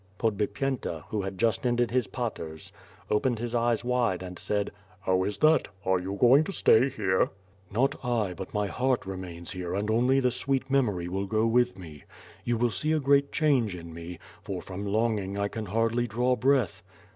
Podbipyenta, who had just ended his paters, opened his eyes wide, and asked: "How is that? Are you going to stay here.^' '*Not I, but my heart remains here and only the sweet memory will go with me. You will see a great change in me; for from longing I can hardly draw breath."